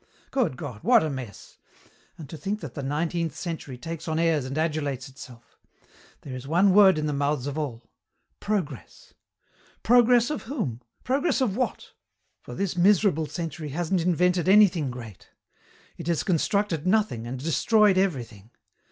"Good God, what a mess! And to think that the nineteenth century takes on airs and adulates itself. There is one word in the mouths of all. Progress. Progress of whom? Progress of what? For this miserable century hasn't invented anything great. "It has constructed nothing and destroyed everything.